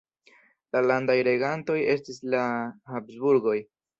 La landaj regantoj estis la Habsburgoj.